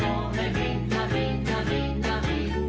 みんなみんなみんなみんな」